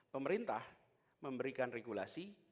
pemerintah memberikan regulasi